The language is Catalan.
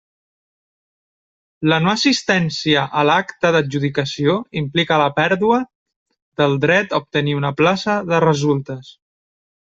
La no assistència a l'acte d'adjudicació implica la pèrdua del dret a obtenir una plaça de resultes.